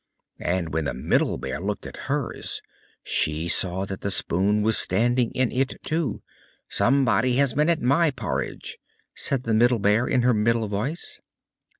And when the Middle Bear looked at hers, she saw that the spoon was standing in it too. "SOMEBODY HAS BEEN AT MY PORRIDGE!" said the Middle Bear, in her middle voice.